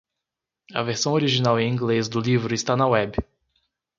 A versão original em inglês do livro está na web.